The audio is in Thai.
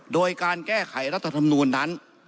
โดยการแก้ไขรัฐธรรมนูลนั้น